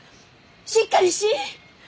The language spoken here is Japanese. しっかりしい！